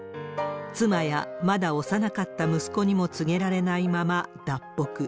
妻や、まだ幼かった息子にも告げられないまま脱北。